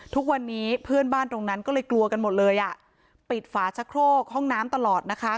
ทุกวันนี้เพื่อนบ้านตรงนั้นก็เลยกลัวกันหมดเลยอ่ะปิดฝาชะโครกห้องน้ำตลอดนะคะ